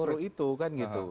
justru itu kan gitu